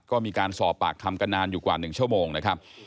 ก็มีการสอบปากคำกันนานอยู่กว่า๑ชั่วโมงนะครับ